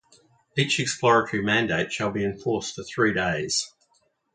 Each exploratory mandate shall be in force for three days.